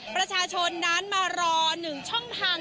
ประชาชนนั้นมารอ๑ช่องทาง